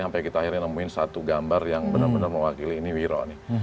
sampai kita akhirnya nemuin satu gambar yang benar benar mewakili ini wiro nih